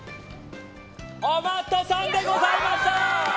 おまっとさんでございました！